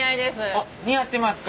あっ似合ってますか？